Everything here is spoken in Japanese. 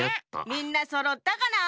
みんなそろったかな？